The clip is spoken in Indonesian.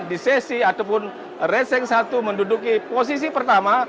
di sesi ataupun racing satu menduduki posisi pertama